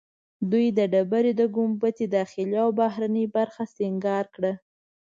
دوی د ډبرې د ګنبد داخلي او بهرنۍ برخه سنګار کړه.